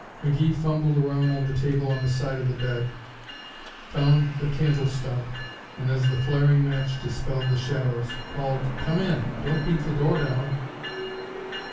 McGee fumbled around on the table at the side of the bed, found the candle stub, and as the flaring match dispelled the shadows, called, "Come in! Don't beat the door down!"